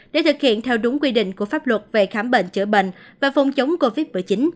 để thực hiện theo đúng quy định của pháp luật về khám bệnh chữa bệnh và phong chống covid một mươi chín